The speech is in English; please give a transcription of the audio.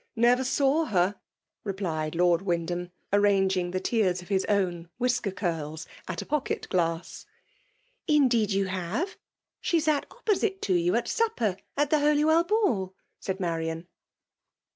" Never saw her," replied Lord Wyndham, arranging the tiers of his own whisker curls^t a pocket^glass. ^ Indeed you have< — She sat opposite to you at sujiper at the Holywell ball," said Marian.